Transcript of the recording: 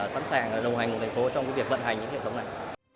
sẵn sàng đồng hành cùng thành phố trong việc vận hành những hệ thống này